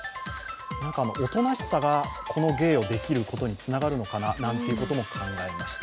おとなしさがこの芸をできることにつながるのかな、なんてことも考えました。